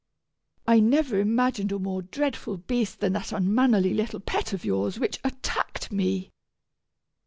I never imagined a more dreadful beast than that unmannerly little pet of yours which attacked me."